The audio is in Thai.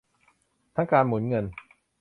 ทั้งการหมุนเงิน